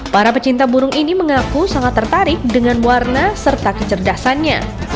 para pecinta burung ini mengaku sangat tertarik dengan warna serta kecerdasannya